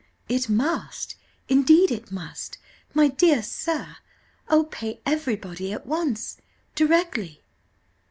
"It must, indeed it must, my dear sir. Oh, pay everybody at once directly."